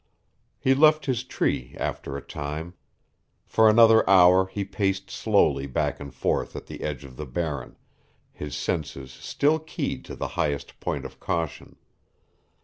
He left his tree after a time. For another hour he paced slowly back and forth at the edge of the Barren, his senses still keyed to the highest point of caution.